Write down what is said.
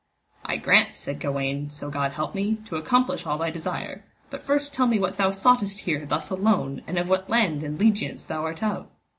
I grant, said Gawaine, so God help me, to accomplish all thy desire, but first tell me what thou soughtest here thus alone, and of what land and liegiance thou art of.